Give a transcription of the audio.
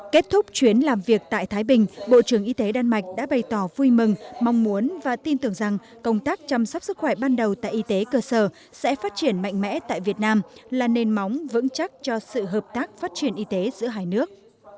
kết thúc chuyến làm việc tại thái bình bộ trưởng y tế đan mạch đã bày tỏ vui mừng mong muốn và tin tưởng rằng công tác chăm sóc sức khỏe ban đầu tại y tế cơ sở sẽ phát triển mạnh mẽ tại việt nam là nền móng vững chắc cho sự hợp tác phát triển y tế giữa hai nước